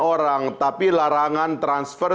orang tapi larangan transfer